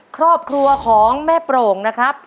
ครอบครัวของแม่โปร่งนะครับ